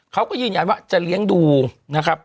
เขาก็ยืนยันว่าจะเลี้ยงดูนะครับ